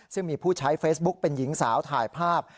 ซึ่งมีผู้ใช้เฟซบุ๊กเป็นหญิงสาวถ่ายภาพ